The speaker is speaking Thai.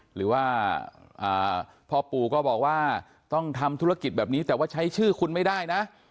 หรือว่าพ่อปู่ก็บอกว่าต้องทำธุรกิจแบบนี้แต่ว่าใช้ชื่อคุณไม่ได้นะ